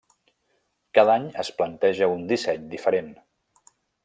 Cada any es planteja un disseny diferent.